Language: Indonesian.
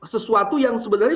sesuatu yang sebenarnya